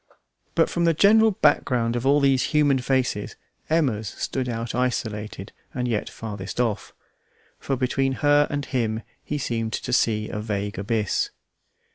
But from the general background of all these human faces Emma's stood out isolated and yet farthest off; for between her and him he seemed to see a vague abyss.